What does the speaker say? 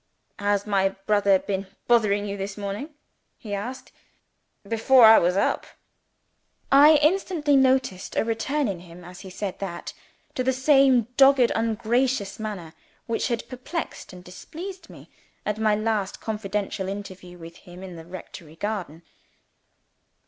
"Has my brother been bothering you this morning," he asked, "before I was up?" I instantly noticed a return in him, as he said that, to the same dogged ungracious manner which had perplexed and displeased me at my last confidential interview with him in the rectory garden.